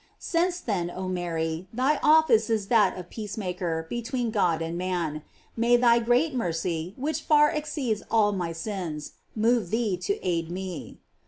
J Since, then, oh Mary, thy office is that of peacemaker between God and man, may thy great mercy, which far exceeds all my sins, move thee to aid me.